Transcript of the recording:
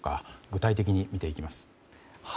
具体的に見ていきます。